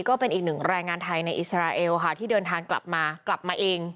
ก็เป็นอีกหนึ่งแรงงานไทยในอิสราเอลค่ะที่เดินทางกลับมากลับมาเอง